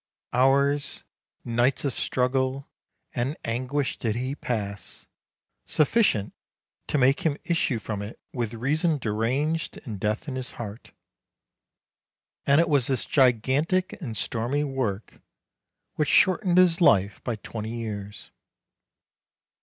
Hours, nights of struggle and anguish did he pass, sufficient to make him issue from it with reason deranged and death in his heart. And it was this gigantic and stormy work which shortened his life by twenty years.